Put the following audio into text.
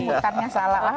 putarnya salah lah